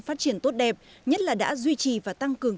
phát triển tốt đẹp nhất là đã duy trì và tăng cường